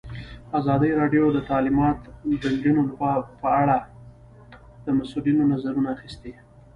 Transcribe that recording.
ازادي راډیو د تعلیمات د نجونو لپاره په اړه د مسؤلینو نظرونه اخیستي.